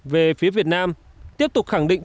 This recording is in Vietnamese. về phía việt nam tiếp tục khẳng định